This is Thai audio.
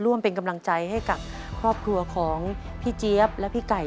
ร่วมเป็นกำลังใจให้กับครอบครัวของพี่เจี๊ยบและพี่ไก่